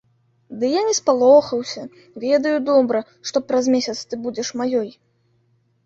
Ды я не спалохаўся, ведаю добра, што праз месяц ты будзеш маёй.